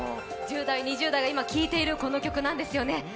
１０代、２０代が今、聴いているこの曲なんですよね。